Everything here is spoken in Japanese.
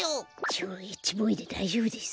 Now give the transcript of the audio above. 「超Ｈボーイ」でだいじょうぶです。